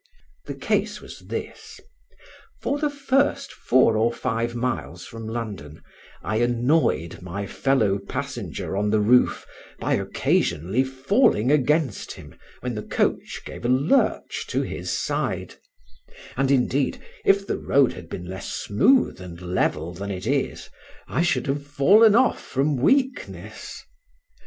The case was this: for the first four or five miles from London I annoyed my fellow passenger on the roof by occasionally falling against him when the coach gave a lurch to his side: and indeed, if the road had been less smooth and level than it is, I should have fallen off from weakness.